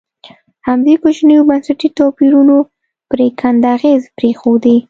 همدې کوچنیو بنسټي توپیرونو پرېکنده اغېزې پرېښودې.